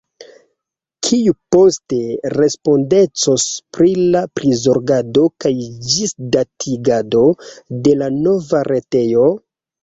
Kiu poste respondecos pri la prizorgado kaj ĝisdatigado de la nova retejo?